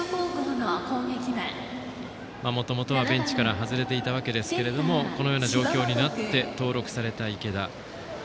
もともとはベンチから外れていたわけですけれどもこのような状況になって登録された池田。